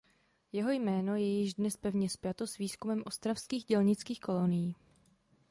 Jeho jméno je již dnes pevně spjato s výzkumem ostravských dělnických kolonií.